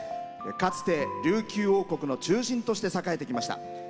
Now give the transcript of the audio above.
かつて琉球王国の中心として栄えてきました。